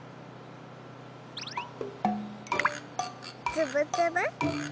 つぶつぶ。